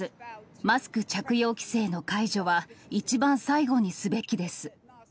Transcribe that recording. マスク着用規制の解除は一番最後にすべきです。